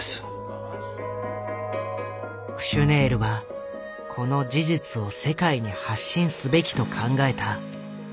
クシュネールはこの事実を世界に発信すべきと考えた。